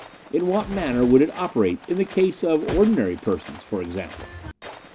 In what manner would it operate in the case of ordinary persons, for example?